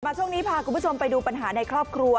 ช่วงนี้พาคุณผู้ชมไปดูปัญหาในครอบครัว